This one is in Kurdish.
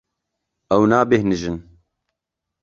Ew nebêhnijîn.